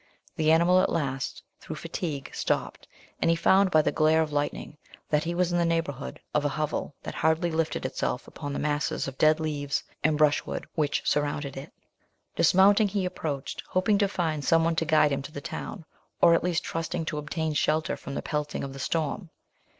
The animal at last, through fatigue, stopped, and he found, by the glare of lightning, that he was in the neighbourhood of a hovel that hardly lifted itself up from the masses of dead leaves and brushwood which surrounded it. Dismounting, he approached, hoping to find some one to guide him to the town, or at least trusting to obtain shelter from the pelting of the storm.